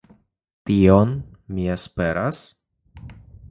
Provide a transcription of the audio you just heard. Tion mi esperas?